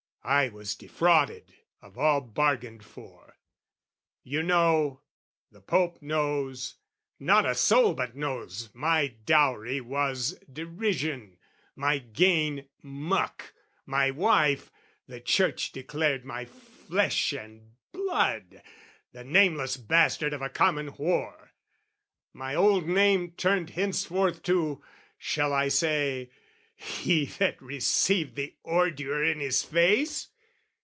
I was defrauded of all bargained for, You know, the Pope knows, not a soul but knows My dowry was derision, my gain muck, My wife (the Church declared my flesh and blood) The nameless bastard of a common whore: My old name turned henceforth to...shall I say "He that received the ordure in his face?"